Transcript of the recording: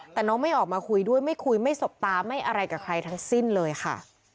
แต่น้องไม่ออกมาคุยด้วยไม่คุยไม่สบตาไม่อะไรกับใครทั้งสิ้นเลยค่ะ